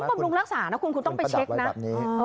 มันต้องปรับลุงรักษานะคุณคุณต้องไปเช็คนะ